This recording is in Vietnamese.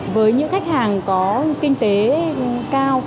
với những khách hàng có kinh tế cao